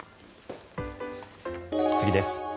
次です。